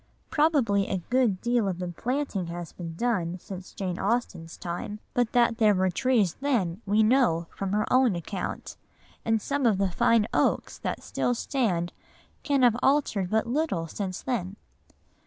Probably a good deal of the planting has been done since Jane Austen's time, but that there were trees then we know from her own account, and some of the fine oaks that still stand can have altered but little since then.